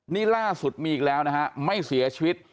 นี่ล่าสุดมีอีกแล้วนะฮะไม่เสียชีวิต